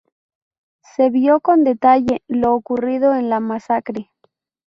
Se vio con detalle lo ocurrido en la masacre.